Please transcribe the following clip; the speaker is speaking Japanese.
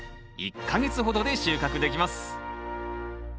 １か月ほどで収穫できます。